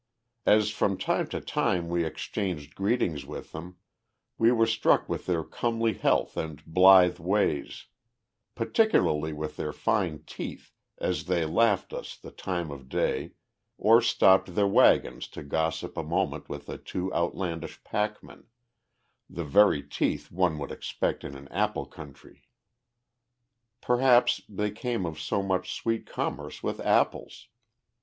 As from time to time we exchanged greetings with them, we were struck with their comely health and blithe ways particularly with their fine teeth, as they laughed us the time of day, or stopped their wagons to gossip a moment with the two outlandish packmen the very teeth one would expect in an apple country. Perhaps they came of so much sweet commerce with apples!